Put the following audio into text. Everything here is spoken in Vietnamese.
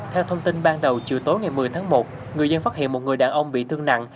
theo thông tin ban đầu chiều tối ngày một mươi tháng một người dân phát hiện một người đàn ông bị thương nặng